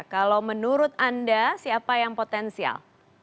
kalau menurut anda siapa yang potensial